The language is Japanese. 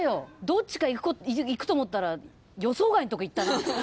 どっちかいくと思ったら予想外のとこいったな。